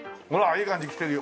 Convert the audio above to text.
いい感じできてるよ。